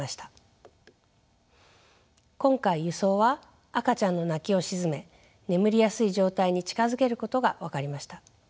今回輸送は赤ちゃんの泣きを鎮め眠りやすい状態に近づけることが分かりました。